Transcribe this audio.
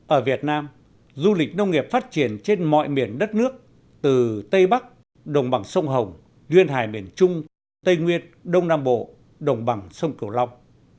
ở việt nam du lịch nông nghiệp phát triển trên mọi miền đất nước từ tây bắc đồng bằng sông hồng duyên hải miền trung tây nguyên đông nam bộ đồng bằng sông cửu long